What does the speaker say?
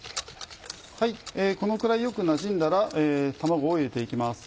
このくらいよくなじんだら卵を入れて行きます。